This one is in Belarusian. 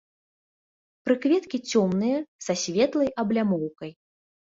Прыкветкі цёмныя, са светлай аблямоўкай.